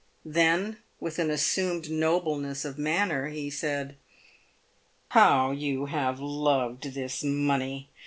Then, with an assumed nobleness of manner, he said, " How you have loved this money.